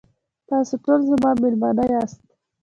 تاسې ټول زما میلمانه یاست.